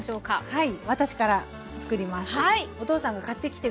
はい。